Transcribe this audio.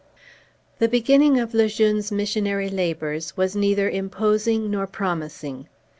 The beginning of Le Jeune's missionary labors was neither imposing nor promising.